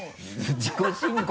自己申告